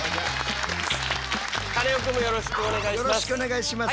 カネオくんもよろしくお願いします。